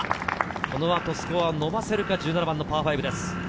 この後、スコアを伸ばせるか、１７番のパー５です。